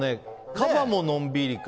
カバものんびりか。